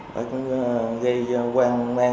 phải cũng gây quan mang